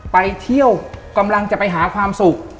ไปเที่ยวกำลังจะไปหาความสุข